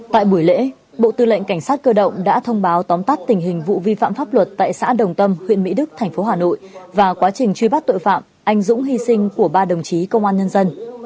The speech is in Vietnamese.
tại buổi lễ bộ tư lệnh cảnh sát cơ động đã thông báo tóm tắt tình hình vụ vi phạm pháp luật tại xã đồng tâm huyện mỹ đức thành phố hà nội và quá trình truy bắt tội phạm anh dũng hy sinh của ba đồng chí công an nhân dân